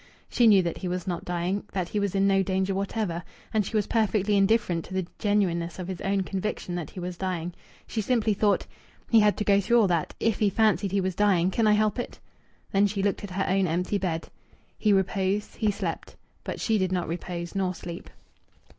She knew that he was not dying, that he was in no danger whatever, and she was perfectly indifferent to the genuineness of his own conviction that he was dying. She simply thought: "He had to go through all that. If he fancied he was dying, can I help it?" ... Then she looked at her own empty bed. He reposed; he slept. But she did not repose nor sleep.